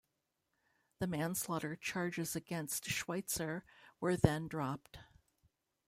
The manslaughter charges against Schweitzer were then dropped.